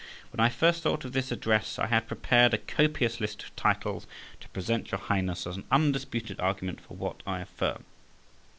When I first thought of this address, I had prepared a copious list of titles to present your Highness as an undisputed argument for what I affirm.